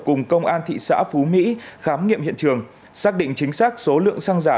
cùng công an thị xã phú mỹ khám nghiệm hiện trường xác định chính xác số lượng xăng giả